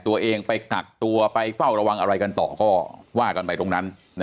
ตัวเองไปกักตัวไปเฝ้าระวังอะไรกันต่อก็ว่ากันไปตรงนั้น